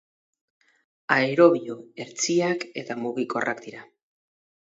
Aerobio hertsiak eta mugikorrak dira.